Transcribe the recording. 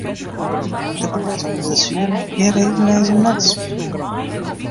De kâns op in blessuere mei gjin reden wêze om net te sporten.